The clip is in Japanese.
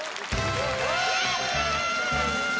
やったー！